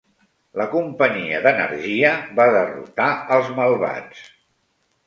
La companyia d'energia va derrotar als malvats.